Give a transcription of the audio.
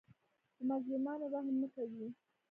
په مظلومانو رحم نه کوي.